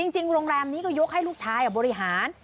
จริงโรงแรมนี้ก็ยกให้ลูกชาย